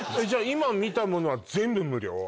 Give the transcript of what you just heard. じゃあ今見たものは全部無料？